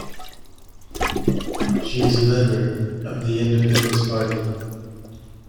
She is a member of the Independence Party.